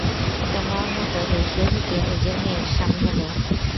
তোমার মতো দেশদ্রোহী কে, নিজের মেয়ের স্বামী হলেও।